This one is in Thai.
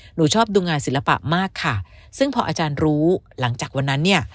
หนูชอบดูงานศิลปะมากค่ะซึ่งพออาจารย์รู้หลังจากวันนั้นเนี่ย